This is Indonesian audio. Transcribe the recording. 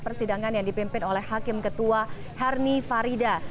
persidangan yang dipimpin oleh hakim ketua hernie farida